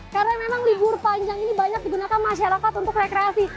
karena memang libur panjang ini banyak digunakan masyarakat untuk rekreasi